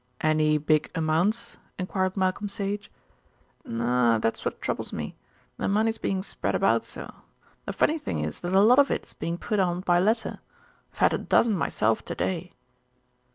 "Any big amounts?" enquired Malcolm Sage. "No, that's what troubles me. The money's being spread about so. The funny thing is that a lot of it is being put on by letter. I've had a dozen myself to day."